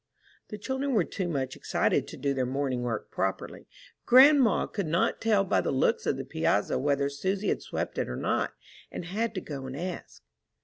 The children were too much excited to do their morning work properly. Grandma could not tell by the looks of the piazza whether Susy had swept it or not, and had to go and ask.